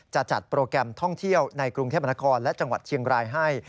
จะจัดโปรแกรมท่องเที่ยวในกรุงเทพมนครและจังหวัดเชียงรายให้